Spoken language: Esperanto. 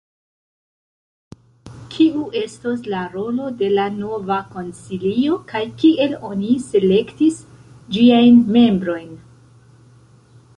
Kiu estos la rolo de la nova konsilio, kaj kiel oni selektis ĝiajn membrojn?